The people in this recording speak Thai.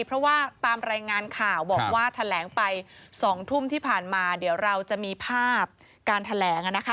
เพราะว่าตามรายงานข่าวบอกว่าแถลงไป๒ทุ่มที่ผ่านมาเดี๋ยวเราจะมีภาพการแถลง